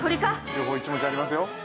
両方１文字ありますよ。